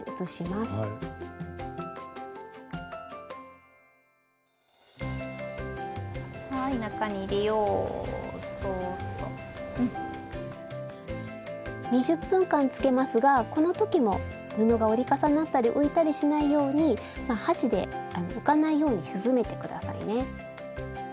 スタジオ２０分間つけますがこの時も布が折り重なったり浮いたりしないように箸で浮かないように沈めて下さいね。